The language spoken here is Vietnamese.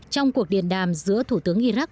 trong cuộc điện đàm giữa thủ tướng iraq